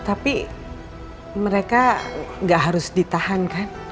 tapi mereka gak harus ditahankan